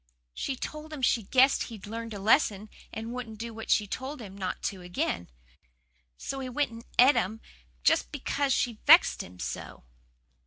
"She told him she guessed he'd learned a lesson and wouldn't do what she'd told him not to again. So he went and et them because she vexed him so."